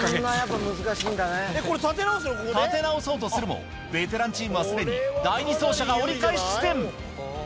立て直そうとするも、ベテランチームはすでに第２走者が折り返し地点。